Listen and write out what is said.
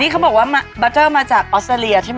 นี่เค้าบอกว่าบัตเจอร์มาจากออสเตอรียะใช่ไหม